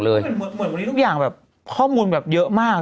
เหมือนวันนี้ทุกอย่างแบบข้อมูลแบบเยอะมาก